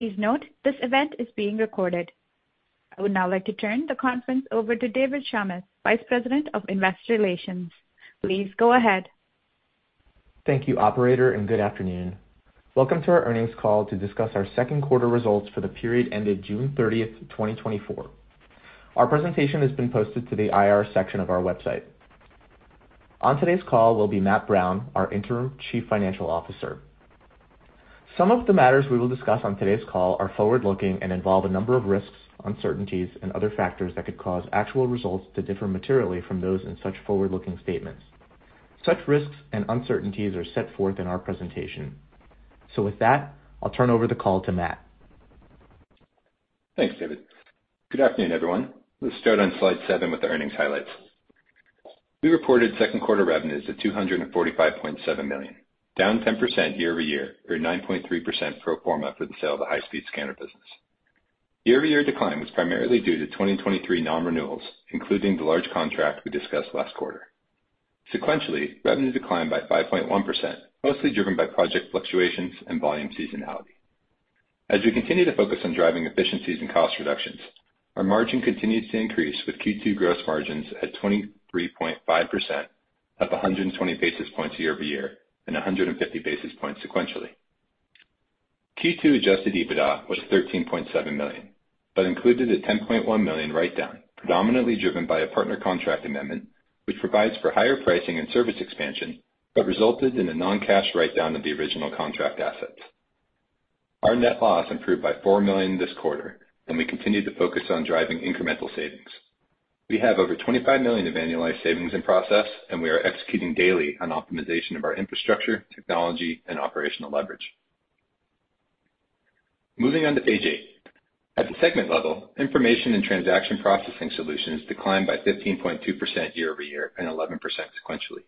Please note, this event is being recorded. I would now like to turn the conference over to David Schamis, Vice President of Investor Relations. Please go ahead. Thank you, operator, and good afternoon. Welcome to our earnings call to discuss our second quarter results for the period ended June 30th, 2024. Our presentation has been posted to the IR section of our website. On today's call will be Matt Brown, our Interim Chief Financial Officer. Some of the matters we will discuss on today's call are forward-looking and involve a number of risks, uncertainties, and other factors that could cause actual results to differ materially from those in such forward-looking statements. Such risks and uncertainties are set forth in our presentation. So with that, I'll turn over the call to Matt. Thanks, David. Good afternoon, everyone. Let's start on Slide seven with the earnings highlights. We reported second quarter revenues of $245.7 million, down 10% year-over-year, or 9.3% pro forma for the sale of the high-speed scanner business. The year-over-year decline was primarily due to 2023 non-renewals, including the large contract we discussed last quarter. Sequentially, revenue declined by 5.1%, mostly driven by project fluctuations and volume seasonality. As we continue to focus on driving efficiencies and cost reductions, our margin continues to increase, with Q2 gross margins at 23.5%, up 120 basis points year-over-year and 150 basis points sequentially. Q2 Adjusted EBITDA was $13.7 million, but included a $10.1 million write-down, predominantly driven by a partner contract amendment, which provides for higher pricing and service expansion, but resulted in a non-cash write-down of the original contract assets. Our net loss improved by $4 million this quarter, and we continued to focus on driving incremental savings. We have over $25 million of annualized savings in process, and we are executing daily on optimization of our infrastructure, technology, and operational leverage. Moving on to page 8. At the segment level, Information and Transaction Processing Solutions declined by 15.2% year-over-year and 11% sequentially.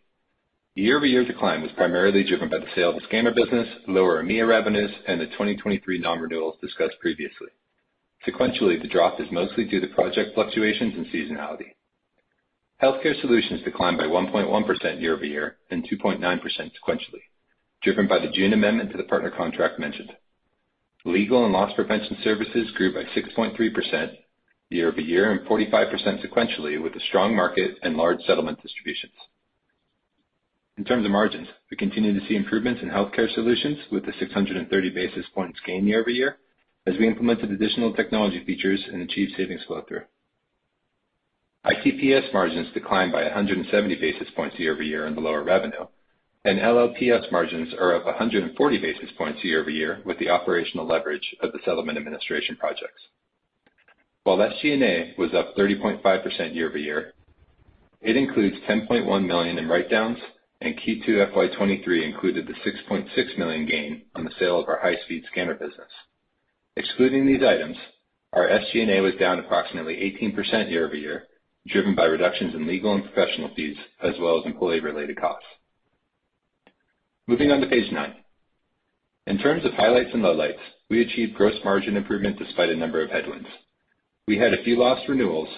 The year-over-year decline was primarily driven by the sale of the scanner business, lower EMEA revenues, and the 2023 non-renewals discussed previously. Sequentially, the drop is mostly due to project fluctuations and seasonality. Healthcare Solutions declined by 1.1% year-over-year and 2.9% sequentially, driven by the June amendment to the partner contract mentioned. Legal and Loss Prevention Services grew by 6.3% year-over-year and 45% sequentially, with a strong market and large settlement distributions. In terms of margins, we continue to see improvements in Healthcare Solutions with a 630 basis points gain year-over-year, as we implemented additional technology features and achieved savings flow-through. ITPS margins declined by 170 basis points year-over-year on the lower revenue, and LLPS margins are up 140 basis points year-over-year with the operational leverage of the settlement administration projects. While SG&A was up 30.5% year-over-year, it includes $10.1 million in write-downs, and Q2 FY 2023 included the $6.6 million gain on the sale of our high-speed scanner business. Excluding these items, our SG&A was down approximately 18% year-over-year, driven by reductions in legal and professional fees, as well as employee-related costs. Moving on to page 9. In terms of highlights and lowlights, we achieved gross margin improvement despite a number of headwinds. We had a few lost renewals,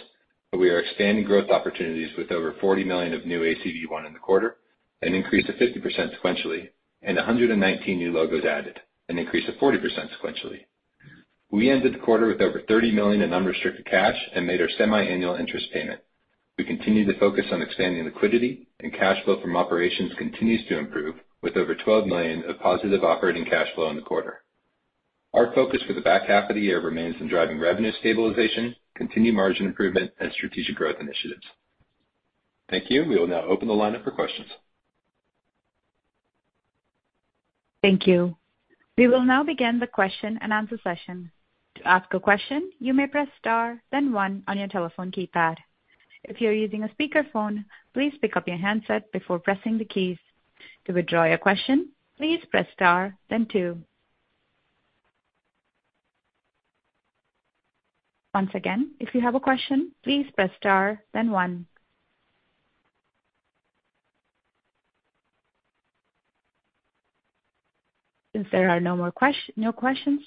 but we are expanding growth opportunities with over $40 million of new ACV won in the quarter, an increase of 50% sequentially, and 119 new logos added, an increase of 40% sequentially. We ended the quarter with over $30 million in unrestricted cash and made our semiannual interest payment. We continue to focus on expanding liquidity, and cash flow from operations continues to improve, with over $12 million of positive operating cash flow in the quarter. Our focus for the back half of the year remains in driving revenue stabilization, continued margin improvement, and strategic growth initiatives. Thank you. We will now open the line up for questions. Thank you. We will now begin the question-and-answer session. To ask a question, you may press star, then one on your telephone keypad. If you're using a speakerphone, please pick up your handset before pressing the keys. To withdraw your question, please press star, then two. Once again, if you have a question, please press star, then one. If there are no more questions?